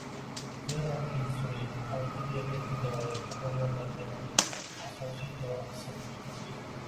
Zero, insulin qandli diabetni davolashda qo‘llaniladigan asosiy dori hisoblanadi